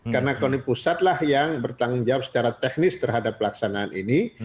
karena koni pusat yang bertanggung jawab secara teknis terhadap pelaksanaan ini